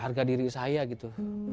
harga diri saya gitu